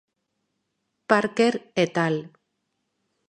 Parker "et al.